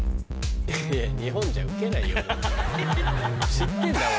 知ってんだよ